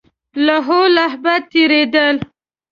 لهو لعب تېرېدل.